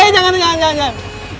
jangan jangan jangan